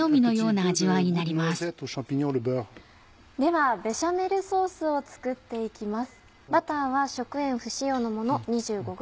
ではベシャメルソースを作って行きます。